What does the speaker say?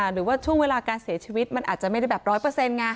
หรือว่าช่วงเวลาการเสียชีวิตมันอาจจะไม่ได้แบบร้อยเปอร์เซ็นต์ไง